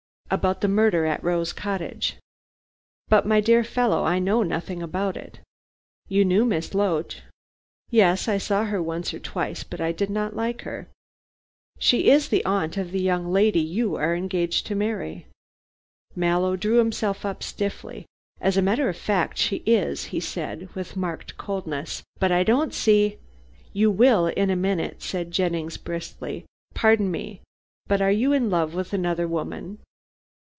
"About the murder at Rose Cottage." "But, my dear fellow, I know nothing about it." "You knew Miss Loach?" "Yes. I saw her once or twice. But I did not like her." "She is the aunt of the young lady you are engaged to marry?" Mallow drew himself up stiffly. "As a matter of fact she is," he said with marked coldness. "But I don't see " "You will in a minute," said Jennings briskly. "Pardon me, but are you in love with another woman?"